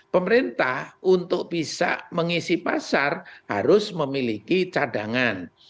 pemerintah untuk bisa mengisi pasar harus memiliki cadangan